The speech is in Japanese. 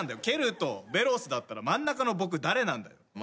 ケルとベロスだったら真ん中の僕誰なんだよ。